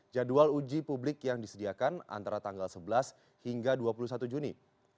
jadwal uji publik yang disediakan antara tanggal sebelas hingga dua puluh satu juni